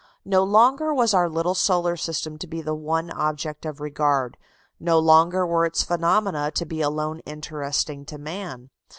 No longer was our little solar system to be the one object of regard, no longer were its phenomena to be alone interesting to man.